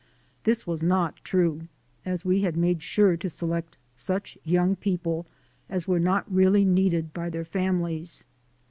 This was not true, as we had made sure to select such young people as were not really needed by their families.